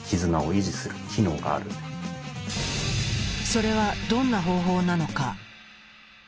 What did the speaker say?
それはどんな方法なのか。